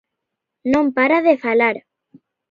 Non para de falar.